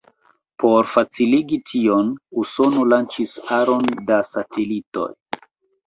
Por faciligi tion, Usono lanĉis aron da satelitoj.